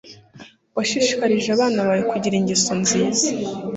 Washishikarije abana bawe kugira ingeso nziza